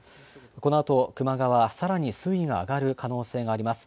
このあと球磨川はさらに水位が上がる可能性があります。